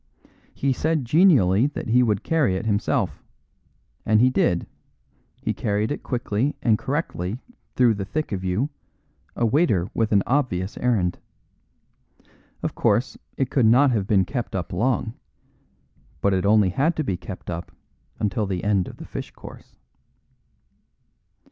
He said genially that he would carry it himself, and he did; he carried it quickly and correctly through the thick of you, a waiter with an obvious errand. Of course, it could not have been kept up long, but it only had to be kept up till the end of the fish course.